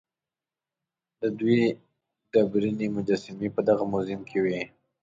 د دوی ډبرینې مجسمې په دغه موزیم کې وې.